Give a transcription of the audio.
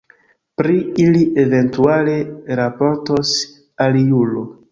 Pri ili eventuale raportos aliulo.